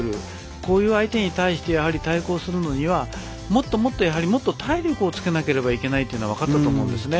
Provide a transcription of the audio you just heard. こういう相手に対してやはり対抗するのにはもっともっと体力をつけなければいけないというのが分かったと思いますね。